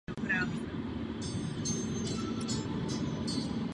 Stejný účinek má lokální působení chladu nebo mrazu.